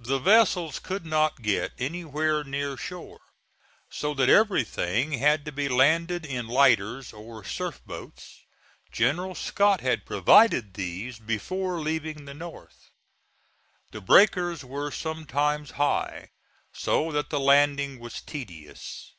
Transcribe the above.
The vessels could not get anywhere near shore, so that everything had to be landed in lighters or surf boats; General Scott had provided these before leaving the North. The breakers were sometimes high, so that the landing was tedious.